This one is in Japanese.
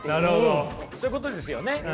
そういうことですよね。